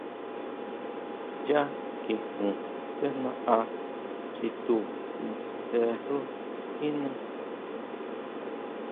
Yá kijun sejna á chitú, nise xú skine.